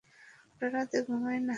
ওরা রাতে ঘুমায় না।